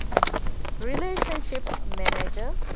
ރިލޭޝަންޝިޕް މެނޭޖަރ